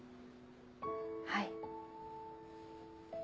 はい。